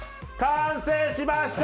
完成しました！